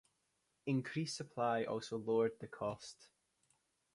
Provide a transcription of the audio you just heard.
Increased supply also lowered the cost.